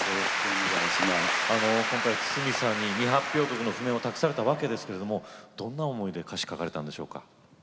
今回筒美さんに未発表曲の譜面を託されたわけですけれどもどんな思いで歌詞書かれたんでしょうか？